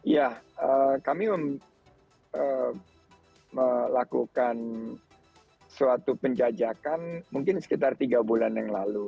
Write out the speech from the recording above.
ya kami melakukan suatu penjajakan mungkin sekitar tiga bulan yang lalu